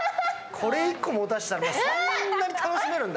これ１個持たせたら、そんなに楽しめるんだ。